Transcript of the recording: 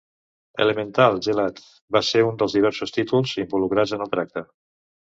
"Elemental Gelade" va ser un dels diversos títols involucrats en el tracte.